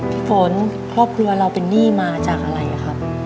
พี่ฝนครอบครัวเราเป็นหนี้มาจากอะไรครับ